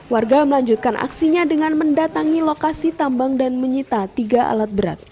warga melanjutkan aksinya dengan mendatangi lokasi tambang dan menyita tiga alat berat